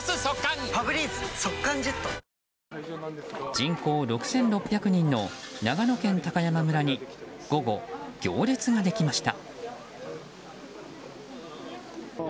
人口６６００人の長野県高山村に午後、行列ができました。